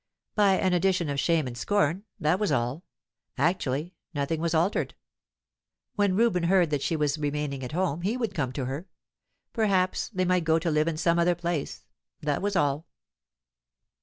By an addition of shame and scorn, that was all; actually, nothing was altered. When Reuben heard that she was remaining at home, he would come to her. Perhaps they might go to live in some other place; that was all.